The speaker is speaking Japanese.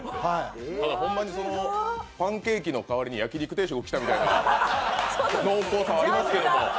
ホンマにパンケーキの代わりに焼き肉定食来たみたいな濃厚さありますけれども。